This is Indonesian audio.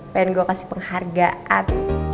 pengen gue kasih penghargaan